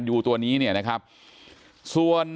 ยูตัวนี้เนี่ยนะครับส่วน